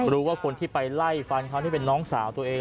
รู้ว่าคนที่ไปไล่ฟันเขาที่เป็นน้องสาวตัวเอง